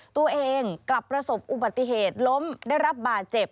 ตัวเองกลับประสบอุบัติเหตุล้มได้รับบาดเจ็บ